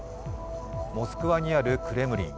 モスクワにあるクレムリン。